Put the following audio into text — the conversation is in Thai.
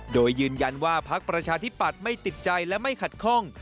โดยยืนยันว่าพักประชาธิปัตย์ไม่ติดใจและไม่ขัดข้อง